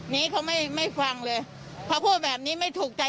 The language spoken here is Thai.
นี้เขาไม่ไม่ฟังเลยพอพูดแบบนี้ไม่ถูกใจ